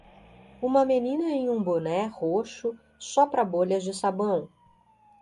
Uma menina em um boné roxo sopra bolhas de sabão.